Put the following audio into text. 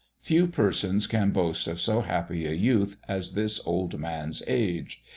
Few persons can boast of so happy a youth as this old man's age.